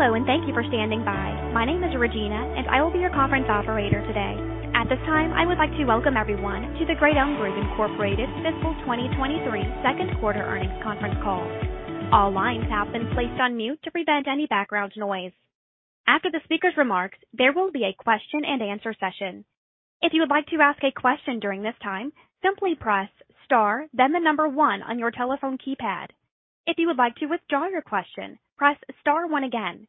Hello, and thank you for standing by. My name is Regina, and I will be your conference operator today. At this time, I would like to welcome everyone to the Great Elm Group Incorporated. Fiscal 2023 second quarter earnings conference call. All lines have been placed on mute to prevent any background noise. After the speaker's remarks, there will be a question-and-answer session. If you would like to ask a question during this time, simply press star, then one on your telephone keypad. If you would like to withdraw your question, press star one again.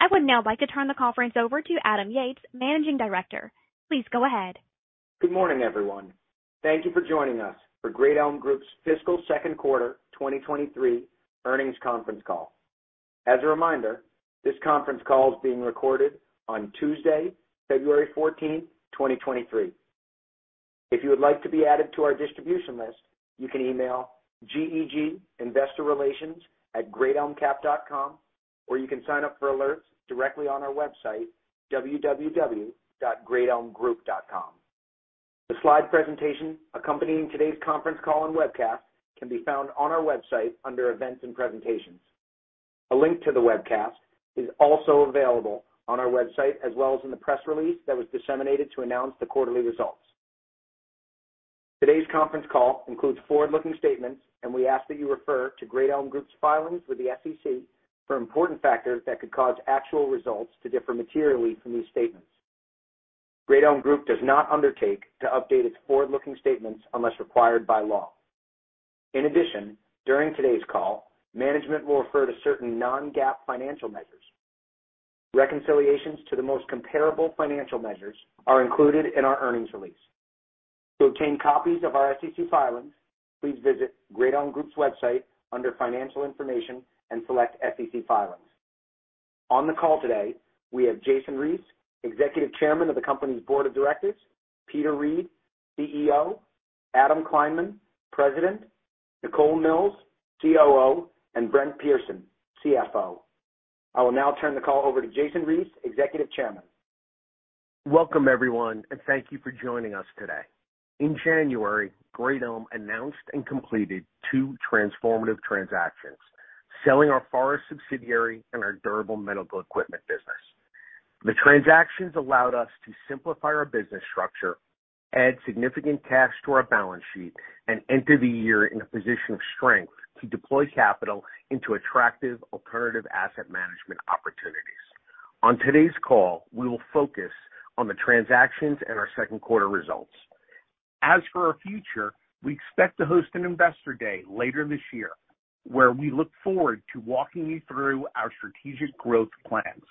I would now like to turn the conference over to Adam Yates, Managing Director. Please go ahead. Good morning, everyone. Thank you for joining us for Great Elm Group's fiscal second quarter 2023 earnings conference call. As a reminder, this conference call is being recorded on Tuesday, February 14, 2023. If you would like to be added to our distribution list, you can email GEG investorrelations@greatelmcap.com, or you can sign up for alerts directly on our website, www.greatelmgroup.com. The slide presentation accompanying today's conference call and webcast can be found on our website under Events and Presentations. A link to the webcast is also available on our website as well as in the press release that was disseminated to announce the quarterly results. Today's conference call includes forward-looking statements, and we ask that you refer to Great Elm Group's filings with the SEC for important factors that could cause actual results to differ materially from these statements. Great Elm Group does not undertake to update its forward-looking statements unless required by law. In addition, during today's call, management will refer to certain non-GAAP financial measures. Reconciliations to the most comparable financial measures are included in our earnings release. To obtain copies of our SEC filings, please visit Great Elm Group's website under Financial Information and select SEC Filings. On the call today, we have Jason Reese, Executive Chairman of the company's board of directors, Peter Reed, CEO, Adam Kleinman, President, Nichole Milz, COO, and Brent Pearson, CFO. I will now turn the call over to Jason Reese, Executive Chairman. Welcome, everyone, and thank you for joining us today. In January, Great Elm announced and completed two transformative transactions, selling our Forest subsidiary and our durable medical equipment business. The transactions allowed us to simplify our business structure, add significant cash to our balance sheet, and enter the year in a position of strength to deploy capital into attractive alternative asset management opportunities. On today's call, we will focus on the transactions and our second quarter results. As for our future, we expect to host an investor day later this year where we look forward to walking you through our strategic growth plans.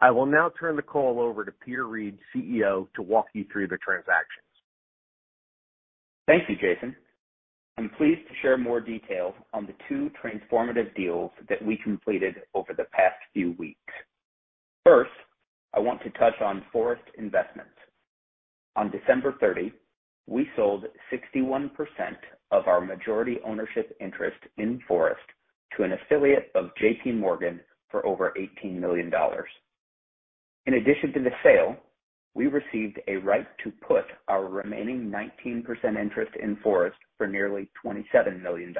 I will now turn the call over to Peter Reed, CEO, to walk you through the transactions. Thank you, Jason. I'm pleased to share more details on the two transformative deals that we completed over the past few weeks. First, I want to touch on Forest Investments. On December 30, we sold 61% of our majority ownership interest in Forest to an affiliate of JPMorgan for over $18 million. In addition to the sale, we received a right to put our remaining 19% interest in Forest for nearly $27 million.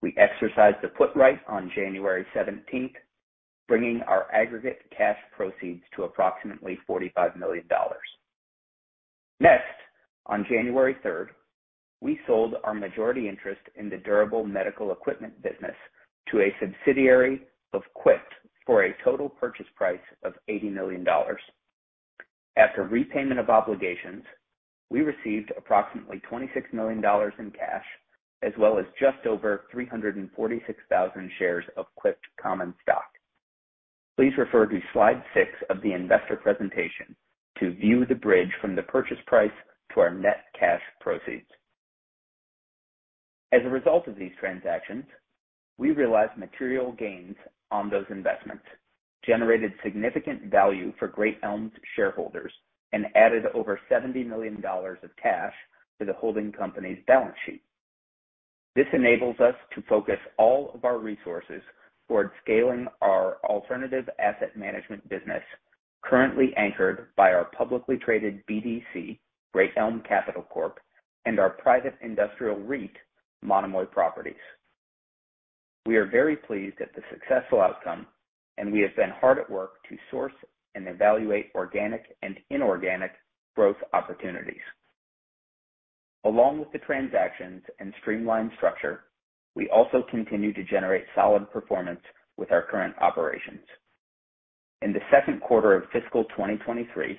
We exercised the put right on January 17th, bringing our aggregate cash proceeds to approximately $45 million. On January 3rd, we sold our majority interest in the durable medical equipment business to a subsidiary of Quipt for a total purchase price of $80 million. After repayment of obligations, we received approximately $26 million in cash as well as just over 346,000 shares of Quipt common stock. Please refer to slide six of the investor presentation to view the bridge from the purchase price to our net cash proceeds. As a result of these transactions, we realized material gains on those investments, generated significant value for Great Elm's shareholders, and added over $70 million of cash to the holding company's balance sheet. This enables us to focus all of our resources towards scaling our alternative asset management business, currently anchored by our publicly traded BDC, Great Elm Capital Corp., and our private industrial REIT, Monomoy Properties. We are very pleased at the successful outcome, and we have been hard at work to source and evaluate organic and inorganic growth opportunities. Along with the transactions and streamlined structure, we also continue to generate solid performance with our current operations. In the second quarter of fiscal 2023,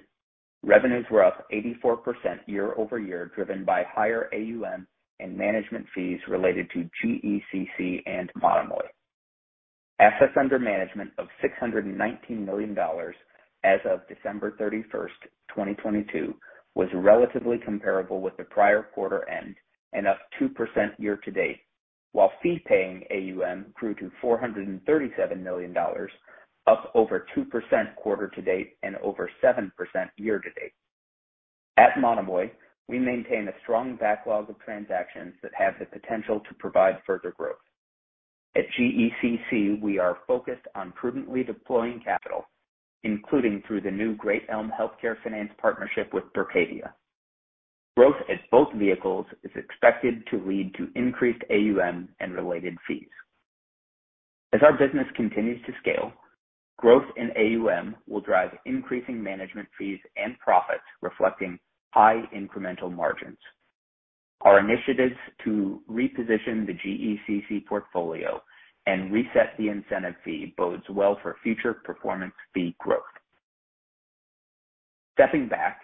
revenues were up 84% year-over-year, driven by higher AUM and management fees related to GECC and Monomoy. Assets under management of $619 million as of December 31, 2022, was relatively comparable with the prior quarter end and up 2% year-to-date, while fee-paying AUM grew to $437 million, up over 2% quarter-to-date and over 7% year-to-date. At Monomoy, we maintain a strong backlog of transactions that have the potential to provide further growth. At GECC, we are focused on prudently deploying capital, including through the new Great Elm Healthcare Finance partnership with Berkadia. Growth at both vehicles is expected to lead to increased AUM and related fees. As our business continues to scale, growth in AUM will drive increasing management fees and profits, reflecting high incremental margins. Our initiatives to reposition the GECC portfolio and reset the incentive fee bodes well for future performance fee growth. Stepping back,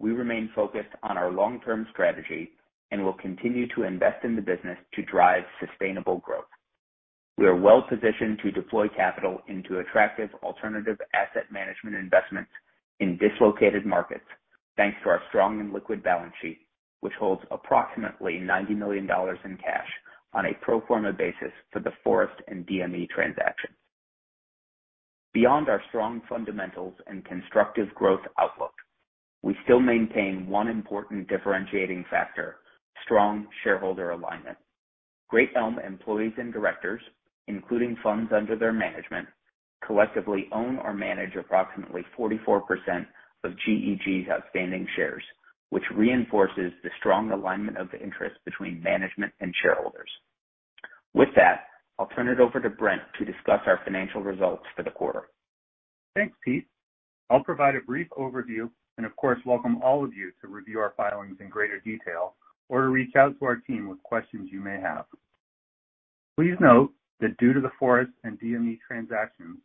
we remain focused on our long-term strategy and will continue to invest in the business to drive sustainable growth. We are well positioned to deploy capital into attractive alternative asset management investments in dislocated markets, thanks to our strong and liquid balance sheet, which holds approximately $90 million in cash on a pro forma basis for the Forest and DME transactions. Beyond our strong fundamentals and constructive growth outlook, we still maintain one important differentiating factor, strong shareholder alignment. Great Elm employees and directors, including funds under their management, collectively own or manage approximately 44% of GEG's outstanding shares, which reinforces the strong alignment of interest between management and shareholders. With that, I'll turn it over to Brent to discuss our financial results for the quarter. Thanks, Pete. I'll provide a brief overview and of course, welcome all of you to review our filings in greater detail or to reach out to our team with questions you may have. Please note that due to the Forest and DME transactions,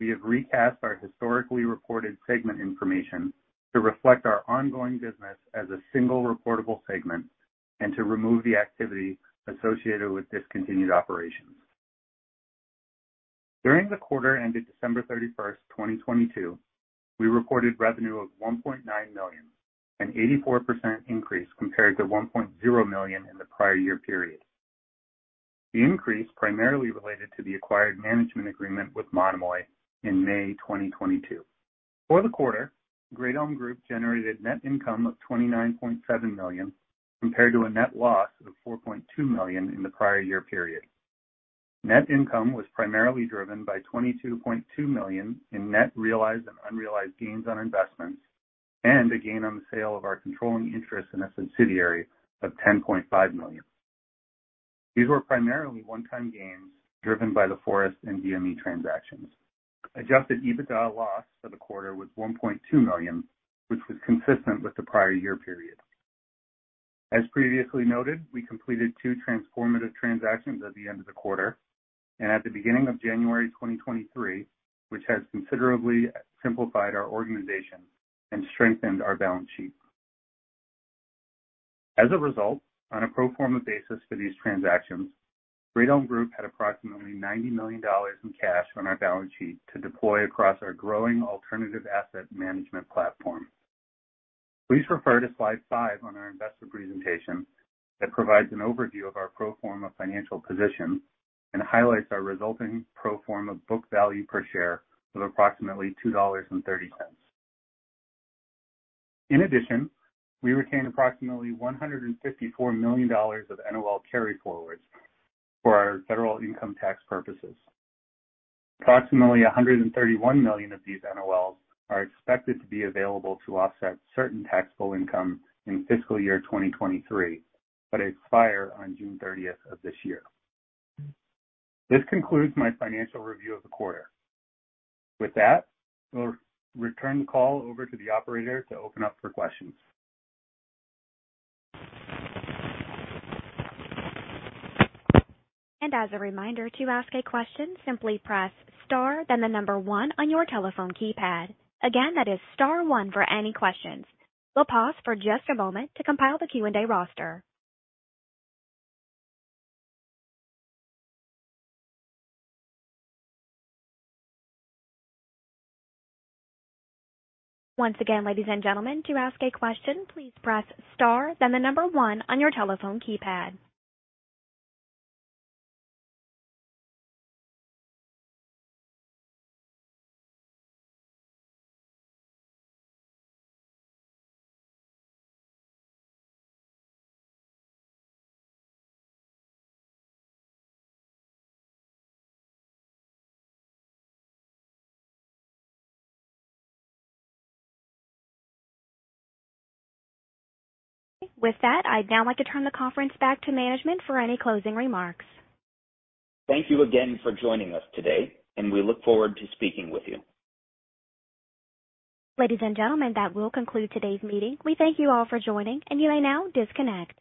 we have recast our historically reported segment information to reflect our ongoing business as a single reportable segment and to remove the activity associated with discontinued operations. During the quarter ended December 31, 2022, we reported revenue of $1.9 million, an 84% increase compared to $1.0 million in the prior year period. The increase primarily related to the acquired management agreement with Monomoy in May 2022. For the quarter, Great Elm Group generated net income of $29.7 million, compared to a net loss of $4.2 million in the prior year period. Net income was primarily driven by $22.2 million in net realized and unrealized gains on investments, and a gain on the sale of our controlling interest in a subsidiary of $10.5 million. These were primarily one-time gains driven by the Forest and DME transactions. Adjusted EBITDA loss for the quarter was $1.2 million, which was consistent with the prior year period. As previously noted, we completed two transformative transactions at the end of the quarter and at the beginning of January 2023, which has considerably simplified our organization and strengthened our balance sheet. As a result, on a pro forma basis for these transactions, Great Elm Group had approximately $90 million in cash on our balance sheet to deploy across our growing alternative asset management platform. Please refer to slide five on our investor presentation that provides an overview of our pro forma financial position and highlights our resulting pro forma book value per share of approximately $2.30. In addition, we retain approximately $154 million of NOL carryforwards for our federal income tax purposes. Approximately $131 million of these NOLs are expected to be available to offset certain taxable income in fiscal year 2023, but expire on June 30th of this year. This concludes my financial review of the quarter. With that, we'll return the call over to the operator to open up for questions. As a reminder, to ask a question, simply press star then the number one on your telephone keypad. Again, that is star one for any questions. We'll pause for just a moment to compile the Q&A roster. Once again, ladies and gentlemen, to ask a question, please press star then the number one on your telephone keypad. With that, I'd now like to turn the conference back to management for any closing remarks. Thank you again for joining us today, and we look forward to speaking with you. Ladies and gentlemen, that will conclude today's meeting. We thank you all for joining, and you may now disconnect.